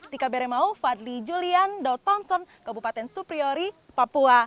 tika bere mau fadli julian daud thompson kabupaten supiori papua